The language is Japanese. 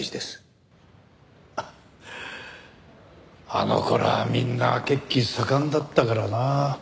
あの頃はみんな血気盛んだったからな。